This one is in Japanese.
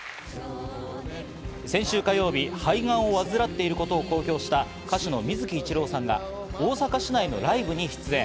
先週火曜日、肺がんを患っていることを公表した歌手の水木一郎さんが大阪市内のライブに出演。